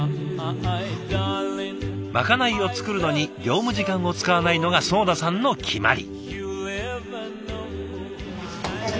まかないを作るのに業務時間を使わないのが囿田さんの決まり。